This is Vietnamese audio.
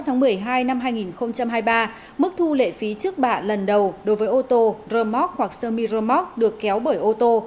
năm hai nghìn hai mươi ba mức thu lệ phí trước bạ lần đầu đối với ô tô rơm móc hoặc sơ mi rơm móc được kéo bởi ô tô